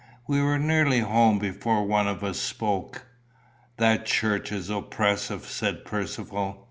We were nearly home before one of us spoke. "That church is oppressive," said Percivale.